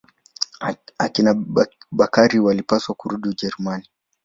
Akina Bakari walipaswa kurudi Ujerumani.